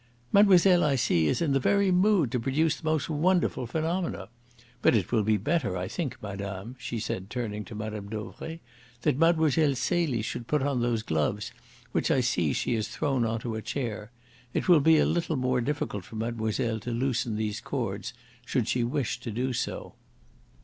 "Mademoiselle, I see, is in the very mood to produce the most wonderful phenomena. But it will be better, I think, madame," she said, turning to Mme. Dauvray, "that Mlle. Celie should put on those gloves which I see she has thrown on to a chair. It will be a little more difficult for mademoiselle to loosen these cords, should she wish to do so."